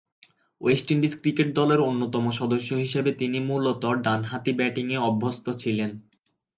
West Indies cricket দলের অন্যতম সদস্য হিসেবে তিনি মূলতঃ ডানহাতি ব্যাটিংয়ে অভ্যস্ত ছিলেন।